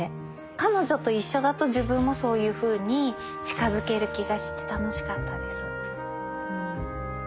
彼女と一緒だと自分もそういうふうに近づける気がして楽しかったです。